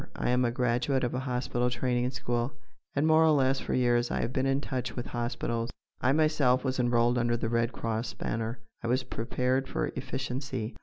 I am a graduate of a hospital training school, and more or less for years I have been in touch with hospitals. I myself was enrolled under the Red Cross banner. I was prepared for efficiency.